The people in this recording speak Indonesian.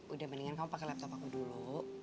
udah mendingan kamu pakai laptop aku dulu